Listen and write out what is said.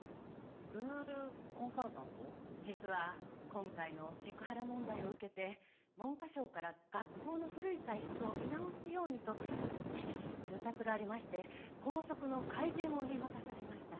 実は今回のセクハラ問題を受けて文科省から学校の古い体質を見直すようにと厳しい通達がありまして校則の改善を言い渡されました。